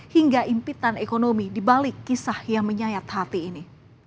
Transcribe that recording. hingga impitan ekonomi dibalik kisah yang menyayat hati ini